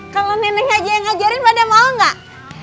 kalo nenek aja yang ngajarin pada mau gak